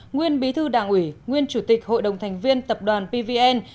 nguyên bí thư đảng ủy nguyên chủ tịch hội đồng thành viên tập đoàn pvn